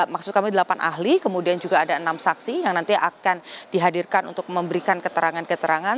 maksud kami delapan ahli kemudian juga ada enam saksi yang nanti akan dihadirkan untuk memberikan keterangan keterangan